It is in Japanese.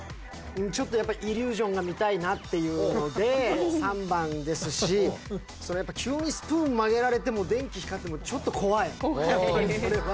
ちょっとやっぱりイリュージョンが見たいなっていうので３番ですしそれやっぱ急にスプーン曲げられても電気光ってもちょっと怖い